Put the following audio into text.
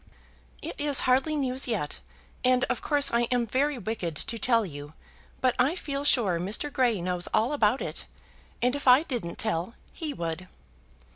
"It is hardly news yet, and of course I am very wicked to tell you. But I feel sure Mr. Grey knows all about it, and if I didn't tell, he would."